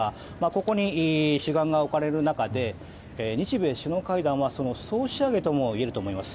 ここに主眼が置かれる中で日米首脳会談はその総仕上げともいえると思います。